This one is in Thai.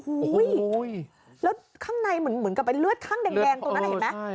แล้วข้างในเหมือนกับเป็นเลือดข้างแดงตรงนั้นเห็นไหม